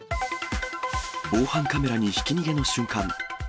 防犯カメラにひき逃げの瞬間。